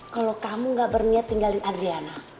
kalau kamu gak berniat tinggalin adriana